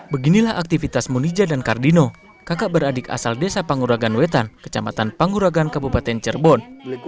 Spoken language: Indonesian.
beginilah aktivitas munija dan kardino kakak beradik asal desa panguragan wetan kecamatan panguragan kabupaten cirebon